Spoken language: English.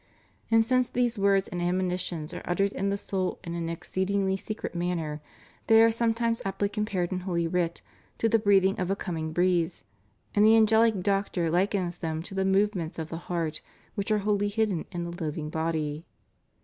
And since these words and admonitions are uttered in the soul in an exceedingly secret manner, they are sometimes aptly compared in holy writ to the breathing of a coming breeze, and the Angelic Doctor likens them to the movements of the heart which are wholly hidden in the living body.